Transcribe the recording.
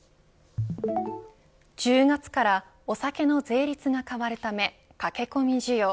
１０月からお酒の税率が変わるため駆け込み需要。